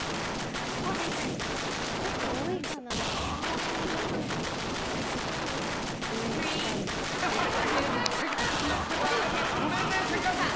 ちょっと多いかな。